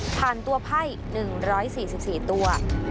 ผ่านตัวไพ่๑๔๔ตัว